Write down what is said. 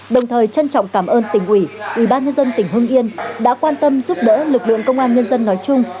đồng thời trân trọng cảm ơn tỉnh ủy ủy ban nhân dân tỉnh hưng yên đã quan tâm giúp đỡ lực lượng công an nhân dân nói chung